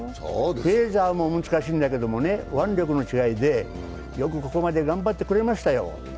フェザーも難しいんだけど腕力の違いで、よくここまで頑張ってくれましたよ。